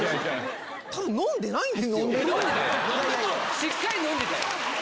しっかり飲んでたよ！